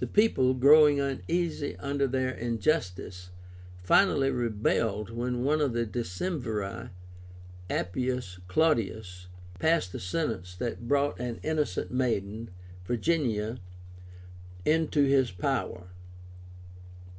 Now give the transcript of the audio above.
The people, growing uneasy under their injustice, finally rebelled when one of the Decemviri, Appius Claudius, passed a sentence that brought an innocent maiden, Virginia, into his power.